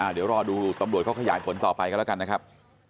เดี๋ยวรอดูตำรวจเขาขยายผลต่อไปกันแล้วกันนะครับ